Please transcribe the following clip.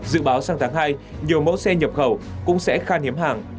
dự báo sang tháng hai nhiều mẫu xe nhập khẩu cũng sẽ khan hiếm hàng